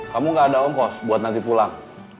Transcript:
kamu gak ada ongkos buat nanti pulang